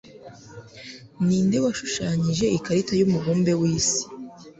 ninde washushanyije ikarita yumubumbe wisi